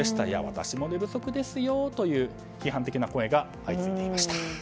いや私も寝不足ですよという批判的な声が相次いでいました。